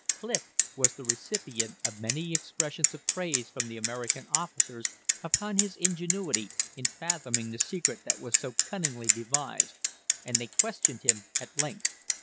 Clif was the recipient of many expressions of praise from the American officers upon his ingenuity in fathoming the secret that was so cunningly devised, and they questioned him at length.